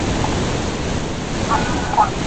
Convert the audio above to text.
流亡河仙镇的昭最被郑昭视为最大隐患。